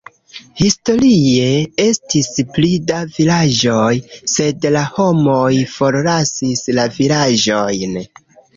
Historie estis pli da vilaĝoj, sed la homoj forlasis la vilaĝojn.